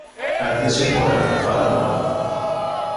ارتش پر افتخار ما